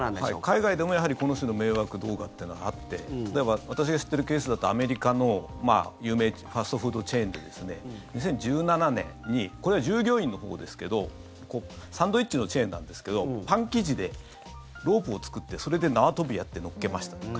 海外でも、やはりこの種の迷惑動画というのはあって例えば、私が知ってるケースだとアメリカの有名ファストフードチェーンで２０１７年にこれは従業員のほうですけどサンドイッチのチェーンなんですけどパン生地でロープを作ってそれで縄跳びやって載っけましたとか。